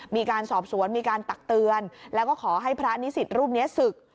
มีการสอบสวนมีการตักเตือนแล้วก็ขอให้พระนิสิตรูปนี้ศึก